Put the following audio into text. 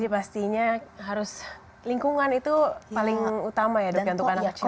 pastinya harus lingkungan itu paling utama ya dok untuk anak kecil